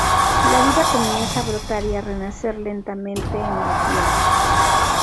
La vida comienza a brotar y a renacer lentamente en la tierra.